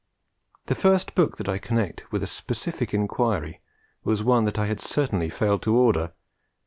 The first book that I connect with a specific inquiry was one that I had certainly failed to order.